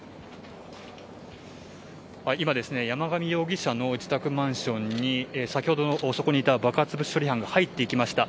今、山上容疑者の自宅マンションに先ほど、そこにいた爆発物処理班が入っていきました。